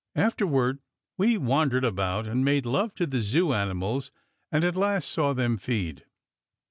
After ward we wandered about and made love to the Zoo ani mals, and at last saw them fed.